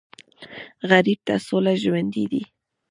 غریب ته سوله ژوند دی